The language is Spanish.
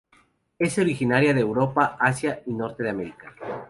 Es originaria de Europa, Asia y Norte de África.